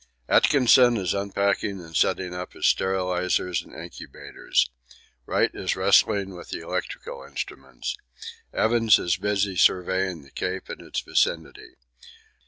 Atkinson is unpacking and setting up his sterilizers and incubators. Wright is wrestling with the electrical instruments. Evans is busy surveying the Cape and its vicinity.